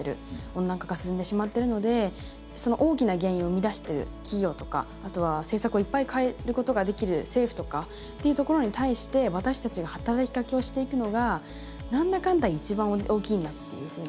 温暖化が進んでしまってるのでその大きな原因を生み出してる企業とかあとは政策をいっぱい変えることができる政府とかっていうところに対して私たちが働きかけをしていくのが何だかんだ一番大きいんだっていうふうには思いますね。